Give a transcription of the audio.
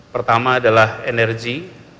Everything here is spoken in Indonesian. pertama adalah energi